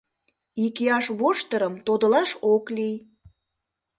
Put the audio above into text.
Икияш воштырым тодылаш ок лий